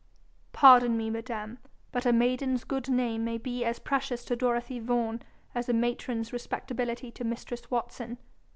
'Pardon me, madam, but a maiden's good name may be as precious to Dorothy Vaughan as a matron's respectability to mistress Watson.